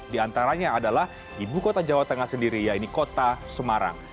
di antaranya adalah ibu kota jawa tengah sendiri yaitu kota semarang